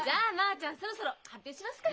ちゃんそろそろ発表しますか。